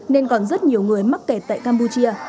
nên còn rất nhiều người mắc kẹt tại campuchia